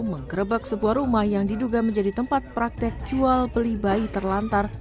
menggerebek sebuah rumah yang diduga menjadi tempat praktek jual beli bayi terlantar